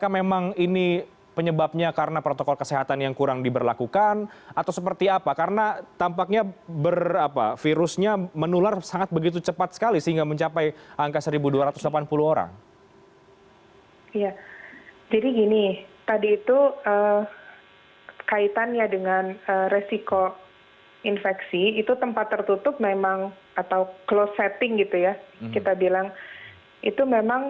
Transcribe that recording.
menularkan kemudian saat berbicara seperti itu